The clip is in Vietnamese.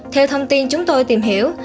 theo thông tin chúng tôi tìm hiểu